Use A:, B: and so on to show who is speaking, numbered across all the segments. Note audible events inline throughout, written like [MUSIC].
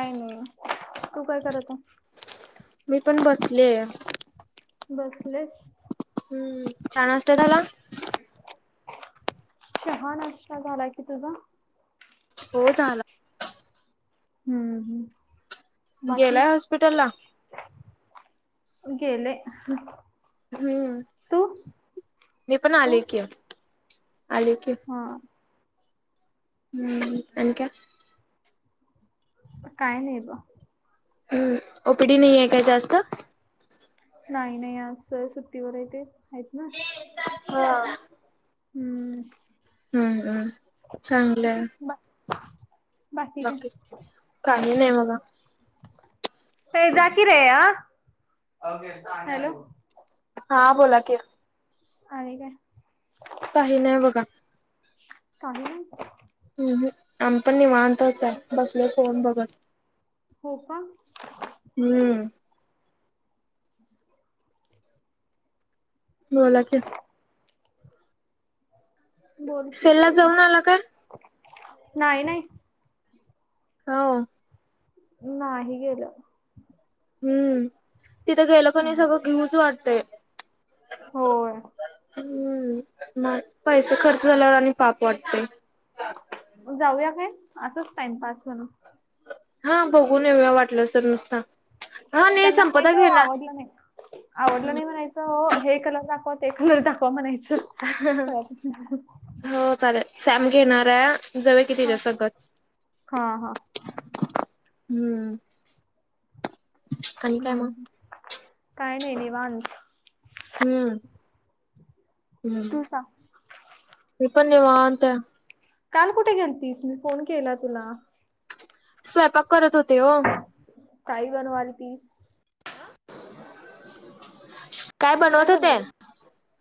A: Hello, तू काय करत आहे?
B: मी पण बसले.
A: बसलेस?
B: हम्म, चहा, नाष्टा झाला?
A: चहा, नाष्टा झाला की, तुझा?
B: हो झाला.
A: हम्म हम्म. बाकी
B: गेलाय हॉस्पिटलला?
A: गेले.
B: हम्म
A: तू
B: मी पण आले की, आले की.
A: हां.
B: हम्म आणि काय?
A: काय नाही बघ.
B: हम् ओपीडी नाही आहे काय जास्त?
A: नाही नाही आज सर सुट्टीवर आहे ते आहेत ना.
B: हा.
A: हम्म.
B: हम्म हम् चांगलंय.
A: बा बाकी काय?
B: काही नाही बघा.
A: ये जा की रे आ. हॅलो.
B: हा बोला कि.
A: आणि काय?
B: काही नाही बघा.
A: काही नाही.
B: हम्म हम्म. आम्ही पण निवांतच आहे बसलोय फोन बघत.
A: हो का.
B: हम्म
A: [UNINTELLIGIBLE]
B: बोला की
A: बोल की
B: सेलला
A: बोल
B: जाऊन आला काय?
A: नाही नाही.
B: हो
A: नाही गेलं.
B: हम्म तिथं गेलो क नाही
A: हम्म.
B: सगळं घेऊच वाटतंय.
A: हो.
B: हम्म मग पैसे खर्च झाल्यावर आणि पाप वाटतंय.
A: जाऊया काय असंच टाइमपास म्हणून?
B: हा बघून येऊया वाटलंस तर नुसता. हा नाही
A: त्यांना
B: संपदा
A: बाहेरचो
B: घेणार.
A: आवडल नाही. आवडलं नाही म्हणायचं हे कलर दाखव ते कलर दाख खवा म्हणायचं. [UNINTELLIGIBLE]
B: हो चालेल. सॅम घेणार आहे जाऊया कि
A: हा
B: तीच्यासोबत.
A: हा हा
B: हम्म आणि काय मग
A: हम्म. काय नाही निवांत.
B: हम्म
A: तू
B: हम्म.
A: सांग.
B: मी पण निवांत आहे.
A: काल कुठे गेलतीस? मी फोन केलाय तुला.
B: स्वयपाक करत होते ओ.
A: काय बनवालतीस?
B: काय बनवत होते?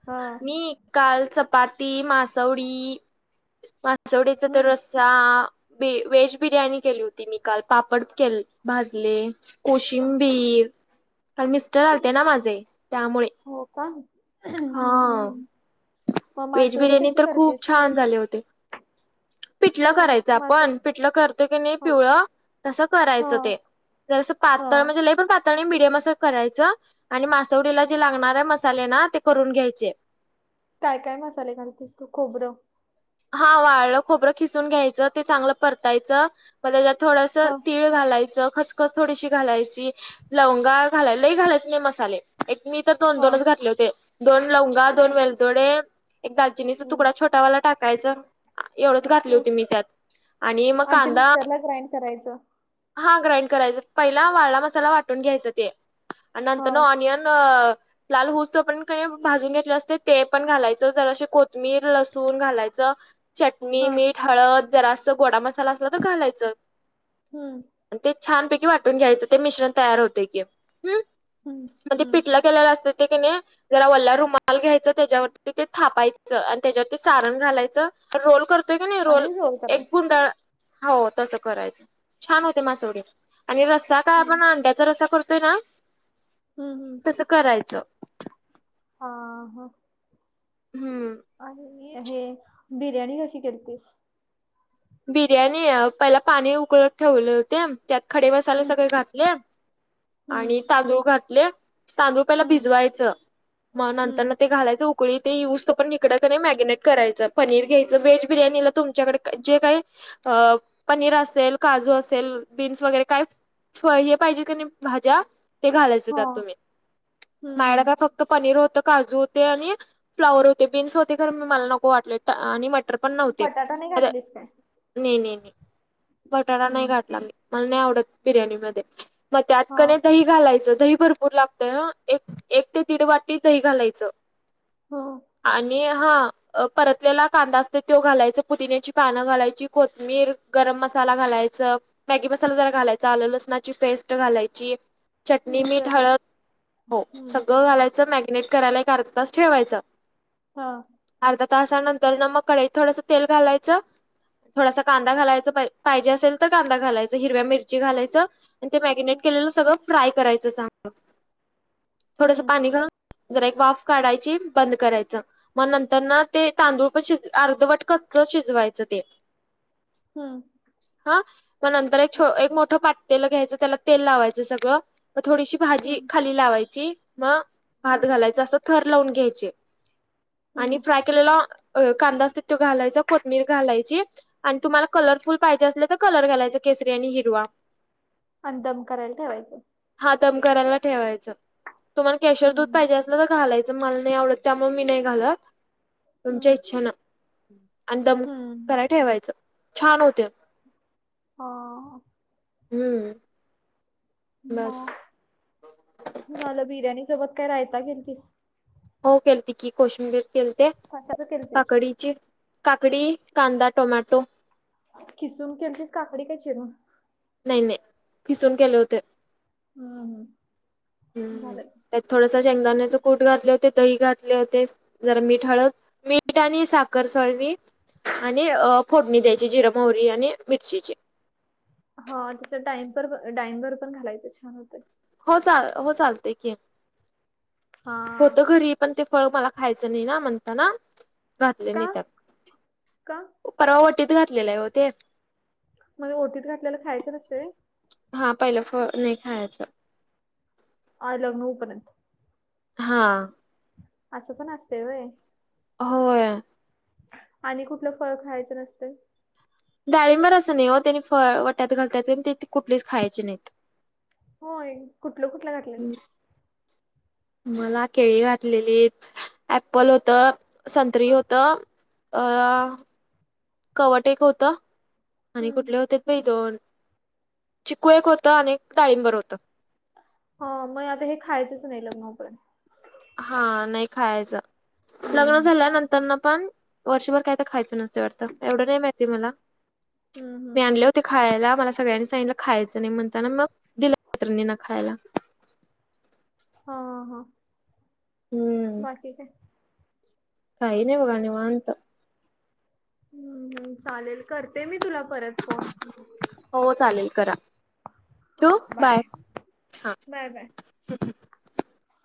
A: हा.
B: मी काल चपाती, मासवडी, मासवडीचा तो
A: हम्म.
B: रस सा, व्हे व्हेज बिर्याणी केली होती मी काल पापड केल भाजले.
A: आह,
B: कोशिंबीर काल मिस्टर आलते ना माझे. त्यामुळे
A: हो का? हम्म
B: हा.
A: हम्म. मग
B: व्हेज
A: मासवडी
B: बिर्याणी
A: कशी
B: तर खूप
A: करतेस?
B: छान झाली होती. पिठलं
A: होय
B: करायचं
A: मासवडी.
B: आपण पिठलं करतोय कणी
A: हा
B: पिवळ तसं
A: हा
B: करायचं ते. जरासं
A: हा.
B: पातळ म्हणजे लय पण पात तरी मडियम अस करायचं आणि मासवडीला
A: हा.
B: जे लागणार आहे मसाले ना ते करून घ्यायचे.
A: काय काय मसाले घालतेस तू खोबरं
B: हा वाळ खोबरं खिसून घ्यायचं ते चांगलं परतायचं मग त्याच्यात थोडस ति
A: हा
B: तीळ घालायचं, खसखस थोडीशी घालायची, लवंगा घालाय लय घालायच नाही मसाले. एक मी तर दोन
A: हा
B: दोनच घातले होते. दोन लवंगा,
A: हा.
B: दोन वेलदोडे, एक दाल चीनीचा तुकडा
A: हम्म.
B: छोटावाला टाकायच. एवढंच घातली होती मी त्यात आणि मग
A: ते
B: कांदा
A: मिक्सरला ग्राइंड करायचं.
B: हा ग्राईंड करायच. पहिला वाळा मसाला वाटून घ्यायच ते. आणि नंतर
A: हां,
B: ऑनियन लाल होऊस तोपर्यंत कनी भाजून घेतल्यास ते पण, घालायचं जरासी कोथमीर लसूण घालायच. चटणी,
A: हां.
B: मीठ, हळद जरासा गोडा मसाला असला तर घालायचं.
A: हम्म.
B: ते छानपैकी वाटून घ्यायचं ते मिश्रण तयार होतय ते
A: हं,
B: मग ते
A: हं.
B: पिटला केलेलं असतं ते कनी जरा वल्ला रुमाल घ्यायचं त्याच्यावरती ते थापायचं, आणि त्याच्यावरती सारण घालायचं रोल करतोय कनी
A: आणि
B: रोल एक
A: करायचं.
B: गुंडाळ हो तसं करायचं, छान होते मास वडी. आणि रसा काय
A: हं,
B: आपण अंड्याचा रसा करतोय ना?
A: हम् हम्.
B: तसं करायचं.
A: हा हां.
B: हम्म.
A: आणी हे बिर्याणी कशी केलतीस?
B: बिर्याणी अ- पहिला पाणी उकळत ठेवले होते त्यात खडे मसाले
A: हं,
B: सगळे घातले आणि
A: हं,
B: तांदूळ घातले तांदूळ पहिला
A: हं,
B: भिजवायचं मग नंतर न
A: हं.
B: ते घालायच उकळी ते येऊस तोवर इकड कनी मॅग्नेट करायचं पनीर घ्यायचं वेज बिर्यानीला तुमच्याकडे जे काही अ- पनीर असेल, काजू असेल, बीन्स वगैरे काय हे पाहिजे कणी भाज्या ते घालायच त्यात
A: हां.
B: तुम्ही.
A: हं,
B: माझ्याकड
A: हं.
B: काय फक्त पनीर होत, काजू होते, आणि फ्लावर होते, बीन्स होते, तर पण मला नको वाटले आणि म टर पण नव्हते
A: बटाटा नाही
B: आणि
A: घातलीस काय?
B: नाही, नाही, नाही बटाटा नाही
A: हं.
B: घातला मी, मला नाही आवडत बिर्याणीमध्ये. मग त्यात कणी
A: हां,
B: दही घालायचं दही भरपूर लागतय, हा एक ते दीड वाटी दही घालायचं.
A: हो.
B: आणि हा परतलेला कांदा असतो तो घालायच पुदिन्याची पानं घालायची, कोथमीर गरम मसाला घालायचं. मॅगी मसाला जरा घालायचा, आल लसणाची पेस्ट घालायची चटणी,
A: मी
B: मीठ,
A: अबे
B: हळद हो
A: हं,
B: सगळं घालायचं मॅरिनेट करायला एक अर्धा तास ठेवायचं.
A: हा.
B: अर्धा तासानंतर ना मग कडईत थोडंस तेल घालायचं थोडासा कांदा घालायचं पाहिजे असेल तर कांदा घालायचं, हिरव्या मिरची घालायचं. आणि ते मॅरिनेट
A: हं,
B: केलेलं सगळं फ्राय करायचं चांगलं थोडंसं
A: हं,
B: पाणी घालून जरा एक वाफ काढायची बंद करायचं, मग नंतर ना ते
A: हं,
B: तांदूळ पण शिज अर्धवट कच्च शिजवायचं ते.
A: हम.
B: हा मग नंतर एक मोठं पातेल घ्यायचं त्याला तेल लावायचं सगळं मग थोडीशी भाजी
A: हं,
B: खाली लावायची मग, भात
A: हं,
B: घालायच असं थर लावून घ्यायचे आणि
A: हं.
B: फ्राय केलेला कांदा असतो तो घालायचा, कोथमीीर घालायच तुम्हाला कलरफुल पाहिजे अस तर कलर घालायच केसरी आणि हिरवा.
A: आणी दम करायला ठेवायचं.
B: हा दम कयराला ठेवायचं तुम्हाला केशर दूध
A: हं,
B: पाहिजे अस- घालायचं मला नाही आवडत त्यामुळे मी नाही घालत. तुमच्या
A: हं,
B: इच्छेन आणि द
A: हं.
B: कराय ठेवायचं छान होतंय
A: हां.
B: हम्म
A: म
B: बस
A: झालं बिर्याणी सोबत काय राहता केलतीस
B: हो केलते की कोशिंबीर केलते
A: कशाच केलतीस
B: काकडीची काकडी कांदा टोमाॅटो
A: खिसून केलतीस काकडी काय चिरून
B: नाय नाय खिसून केल्याव होते
A: हम्म हम्
B: हम्म
A: झालं
B: त्यात थोडसं शेंगदाण्याचे कूट घातले होते दही घातले होते जरा मीठ हळद मीठ आणि साखर सॉरी आणि अ फोडणी द्यायची जिरं मोहरी आणि मिरचीची
A: हा त्याचं टाइमपर डाळींब पण घालायचं छान होतं
B: हो चा हो चालतंय की
A: हा
B: होतं घरी पण ते फळ मला खायचं नाही ना म्हणताना घातले
A: का
B: नाही त्यात
A: का
B: परवा ओटीत घातलेले आहे ओ ते
A: मग ओटीत घातलेलं खायचं नसतंय
B: हा पहिलं फळ नाही खायाचं
A: आल्याव नऊपर्यंत
B: हा
A: असं पण असतंय व्हय
B: होय
A: आणि कुठलं फळ खायचं नसतंय
B: डाळिंबर असं नाही ओ त्यांनी फळ वट्यात घालत्यात प ते कुठलेच खायचे नाहीत
A: हो कुठलं कुठलं घातलेलं
B: मला केळी घातलेलीत ऍप्पल होतं संत्री होतं अ कवट एक होतं आणि
A: हम्म
B: कुठले होतेत बाई दोन चिकू एक होतं आणि डाळींबर होतं
A: हो मग आता हे खायचंच नाही लग्न होपर्यंत
B: हा नाही खायाचं
A: हम्म
B: लग्न झाल्यानंतरनं पण वर्षभर काय तर खायचं नसते वाटतं एवढं नाही माहिती मला
A: हम्म हम्म हम्म
B: मी आणले ते खायाला मला सगळ्यांनी सांगितलं खायचं नाही म्हणताना मग दिलं मैत्रिणींना खायला
A: हा हा हा
B: हम्म
A: बाकी काय
B: काही नाही बघा निवांत.
A: हम्म चालेल करते मी तुला परत. फोन
B: हो चालेल करा. ठेऊ बाय हा.
A: Bye bye.